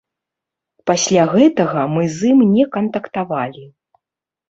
Пасля гэтага мы з ім не кантактавалі.